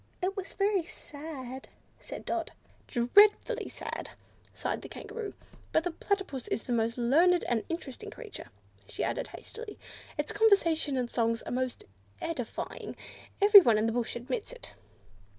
"It was very sad," said Dot. "Dreadfully sad!" sighed the Kangaroo; "but the Platypus is a most learned and interesting creature," she added hastily. "Its conversation and songs are most edifying; everyone in the bush admits it."